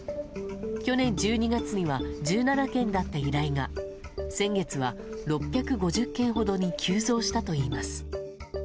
去年１２月には１７件だった依頼が、先月は６５０件ほどに急増したといいます。